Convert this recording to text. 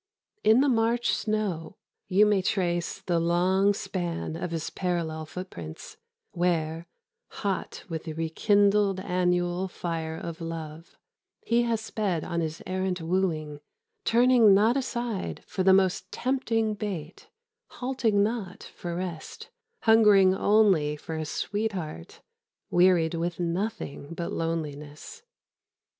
In the March snow you may trace the long span of his parallel footprints where, hot with the rekindled annual fire of love, he has sped on his errant wooing, turning not aside for the most tempting bait, halting not for rest, hungering only for a sweetheart, wearied with nothing but loneliness.